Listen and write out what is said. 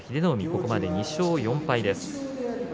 ここまで２勝４敗です。